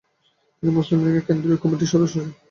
তিনি মুসলিম লীগের কেন্দ্রীয় কমিটির সদস্য ছিলেন।